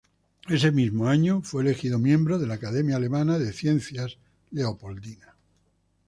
Ese mismo año, fue elegido miembro de la Academia Alemana de Ciencias Leopoldina.